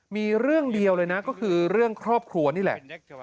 มีเรื่องเดียวเลยนะก็คือเรื่องครอบครัวนี่แหละ